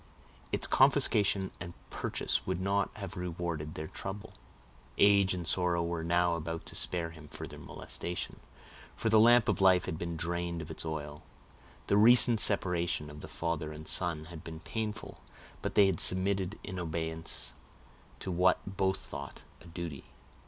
Its confiscation and purchase would not have rewarded their trouble. Age and sorrow were now about to spare him further molestation, for the lamp of life had been drained of its oil. The recent separation of the father and son had been painful, but they had submitted in obedience to what both thought a duty.